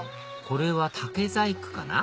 これは竹細工かな？